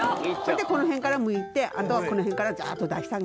この辺からむいてあとはこの辺からざっと出して。